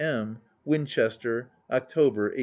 M. Winchester, October 1899.